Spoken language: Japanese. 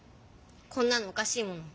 こんなのおかしいもん。